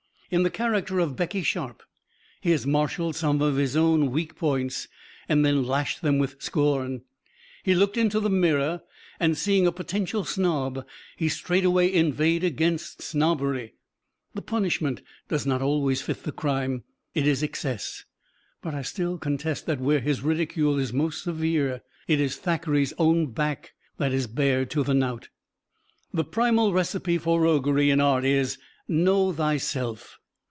In the character of Becky Sharp, he has marshaled some of his own weak points and then lashed them with scorn. He looked into the mirror and seeing a potential snob he straightway inveighed against snobbery. The punishment does not always fit the crime it is excess. But I still contest that where his ridicule is most severe, it is Thackeray's own back that is bared to the knout. The primal recipe for roguery in art is, "Know Thyself."